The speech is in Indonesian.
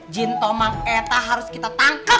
jin tomang eta harus kita tangkap